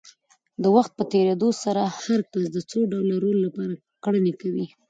د وخت په تېرېدو سره هر کس د څو ډوله رول لپاره کړنې کوي.